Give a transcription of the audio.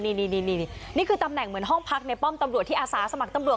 นี่นี่คือตำแหน่งเหมือนห้องพักในป้อมตำรวจที่อาสาสมัครตำรวจ